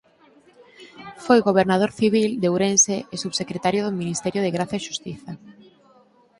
Foi gobernador civil de Ourense e Subsecretario do Ministerio de Graza e Xustiza.